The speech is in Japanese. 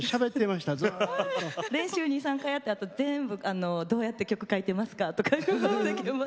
練習２３回やってあと全部どうやって曲書いてますかとか世間話。